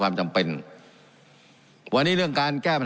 การปรับปรุงทางพื้นฐานสนามบิน